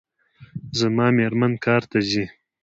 زما میرمن کار ته ځي